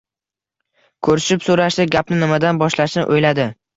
Ko‘rishib-so‘rashdi. Gapni nimadan boshlashni o‘yladi.